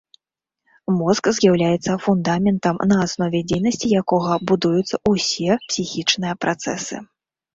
Мозг з'яўляецца фундаментам, на аснове дзейнасці якога будуюцца ўсе псіхічныя працэсы.